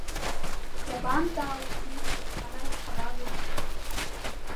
Иабантәаауеи уи, анаҩс ҳабаго?